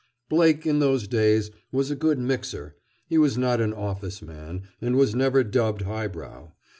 Blake, in those days, was a good "mixer." He was not an "office" man, and was never dubbed high brow.